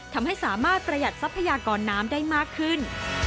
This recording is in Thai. ทำให้สามารถประหยัดทรัพยากรน้ำได้มากขึ้น